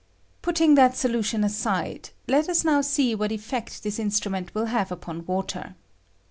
Putting that solution aside, let us now see what effect this instrument will have upon water.